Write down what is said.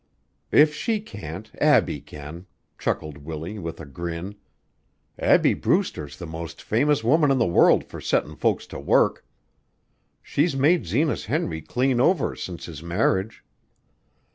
"If she can't, Abbie can," chuckled Willie, with a grin. "Abbie Brewster's the most famous woman in the world for settin' folks to work. She's made Zenas Henry clean over since his marriage.